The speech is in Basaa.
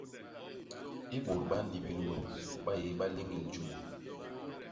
I bôt ba nnibil we, ba yé baleñel juu.